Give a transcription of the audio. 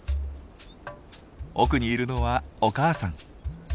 奥にいるのはお母さん。